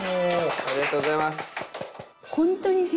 ありがとうございます。